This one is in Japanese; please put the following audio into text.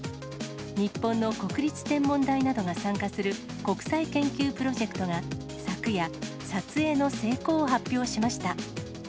日本の国立天文台などが参加する、国際研究プロジェクトが昨夜、撮影の成功を発表しました。